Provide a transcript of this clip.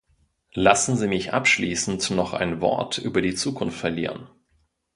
Lassen Sie mich abschließend noch ein Wort über die Zukunft verlieren.